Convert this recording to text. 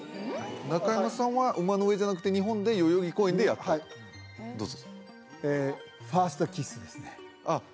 中山さんは馬の上じゃなくて日本で代々木公園でやったはいどうぞファーストキスですねあっ